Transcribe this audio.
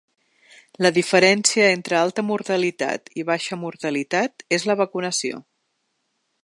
La diferència entre alta mortalitat i baixa mortalitat és la vacunació.